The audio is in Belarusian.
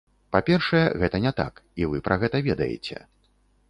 Па-першае, гэта не так, і вы пра гэта ведаеце.